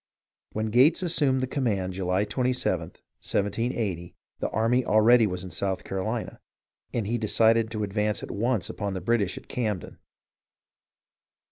When Gates assumed the command July 27th, 1780, the army already was in South Carolina, and he de cided to advance at once upon the British at Camden.